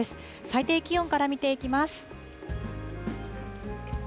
最低気温から見ていきます。